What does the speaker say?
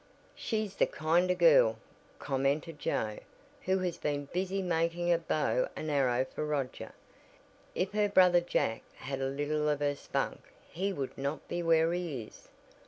"She's the kind of girl!" commented Joe, who had been busy making a bow and arrow for Roger. "If her brother Jack had a little of her spunk he would not be where he is."